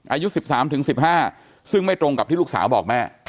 อายุ๑๓๑๕ซึ่งไม่ตรงกับที่ลูกสาวบอกแม่